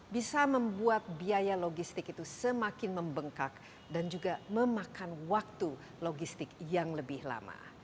bisa membuat biaya logistik itu semakin membengkak dan juga memakan waktu logistik yang lebih lama